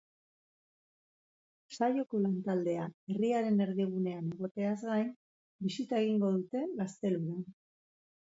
Saioko lantaldea herriaren erdigunean egoteaz gain, bisita egingo dute gaztelura.